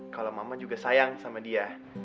kalau mama juga sayang sama dia